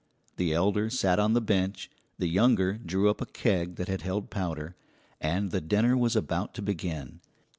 The elder sat on the bench, the younger drew up a keg that had held powder, and the dinner was about to begin.